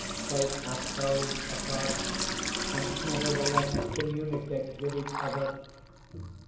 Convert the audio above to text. They have cells apart, and nevertheless communicate with each other.